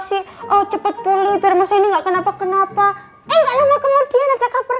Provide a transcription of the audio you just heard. sih oh cepet pulih biar masih enggak kenapa kenapa enggak lama kemudian ada kabar